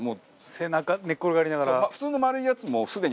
背中寝転がりながら。